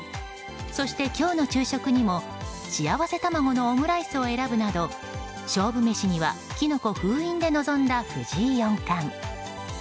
そして、今日の昼食にもしあわせ卵のオムライスを選ぶなど勝負メシにはキノコ封印で臨んだ藤井四冠。